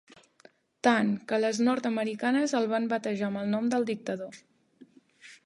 Tant, que les nord-americanes el van batejar amb el nom del dictador.